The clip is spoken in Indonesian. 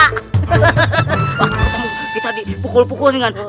wah ketemu kita dipukul pukul dengan